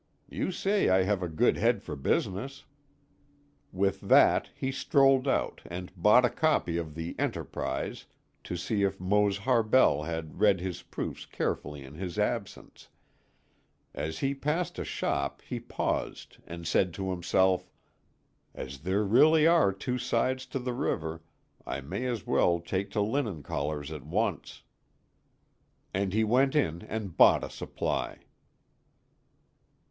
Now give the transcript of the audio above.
You say I have a good head for business." With that he strolled out and bought a copy of the Enterprise to see if Mose Harbell had read his proofs carefully in his absence. As he passed a shop he paused and said to himself: "As there really are two sides to the river, I may as well take to linen collars at once." And he went in and bought a supply.